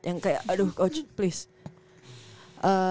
yang kayak aduh coach please